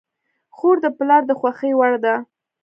خور د پلار د خوښې وړ ده.